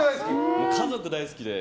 家族、大好きで。